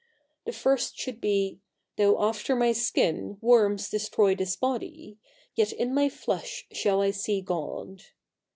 The first should be, "Though after my skin worms destroy this body, yet in my flesh shall I see God."